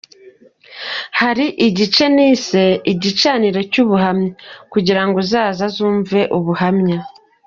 Hari igice nise ’Igicaniro cy’ubuhamya’ kugira ngo uzaza azumve ubuhamya.